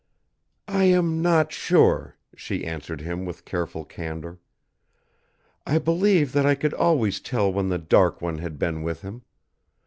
"I am not sure," she answered him with careful candor. "I believe that I could always tell when the Dark One had been with him.